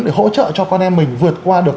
để hỗ trợ cho con em mình vượt qua được